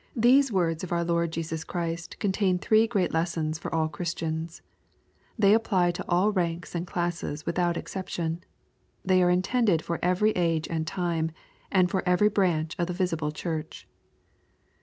These words of our Lord Jesus Christ contain three great lessons for all Christians. They apply to all ranks and classes without exception. They are intended for every age and time, and for every branch of the visible church.